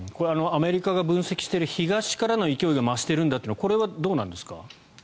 アメリカが分析している東からの勢いが増しているというのはこれはどうなんですか。